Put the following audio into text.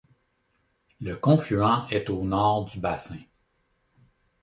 Le confluent est au nord du bassin.